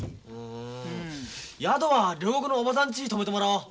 宿は両国の叔母さんちに泊めてもらおう。